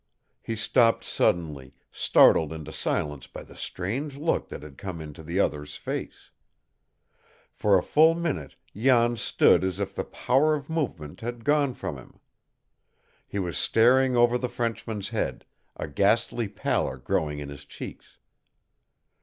He stopped suddenly, startled into silence by the strange look that had come into the other's face. For a full minute Jan stood as if the power of movement had gone from him. He was staring over the Frenchman's head, a ghastly pallor growing in his cheeks.